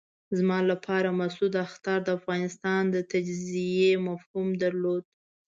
زما لپاره د مسعود اخطار د افغانستان د تجزیې مفهوم درلود.